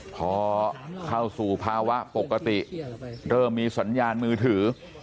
พอเข้าสู่ภาวะปกติเริ่มมีสัญญาณมือถือ